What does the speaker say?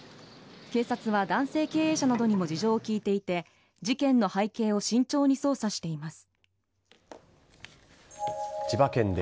警察は、男性経営者などにも事情を聴いていて事件の背景を慎重に捜査しています。